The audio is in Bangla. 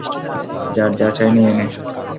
যার যা চাই, নিয়ে নে।